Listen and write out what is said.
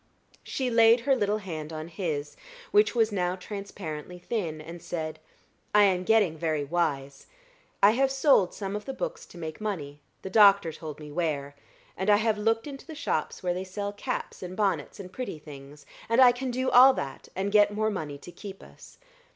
She laid her little hand on his, which was now transparently thin, and said, "I am getting very wise; I have sold some of the books to make money the doctor told me where; and I have looked into the shops where they sell caps and bonnets and pretty things, and I can do all that, and get more money to keep us.